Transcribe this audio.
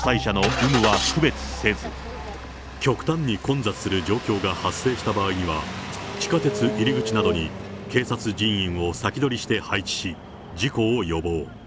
そこでは、極端に混雑する状況が発生した場合には、地下鉄入り口などに警察人員を先取りして配置し、事故を予防。